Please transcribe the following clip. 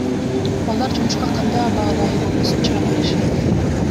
Балдар жумушка кандай аба ырайы болбосун чыга беришет.